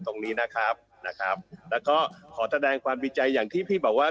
ตรงนี้นะครับนะครับแล้วก็ขอแสดงความดีใจอย่างที่พี่บอกว่า